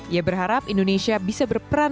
ia berharap indonesia bisa berperan